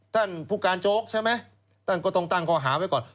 ท่านผู้การโจ๊กใช่ไหมท่านก็ต้องตั้งข้อหาไว้ก่อน